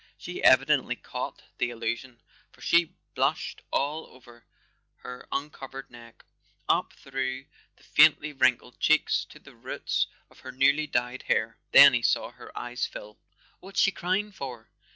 She evidently caught the allusion, for she blushed all over her uncovered neck, up through the faintly wrinkled cheeks to the roots of her newly dyed hair; then he saw her eyes fill. "What's she crying for?